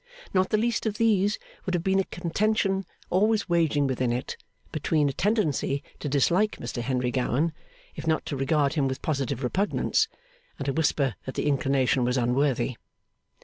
Not the least of these would have been a contention, always waging within it, between a tendency to dislike Mr Henry Gowan, if not to regard him with positive repugnance, and a whisper that the inclination was unworthy.